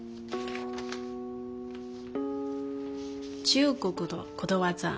中国のことわざ。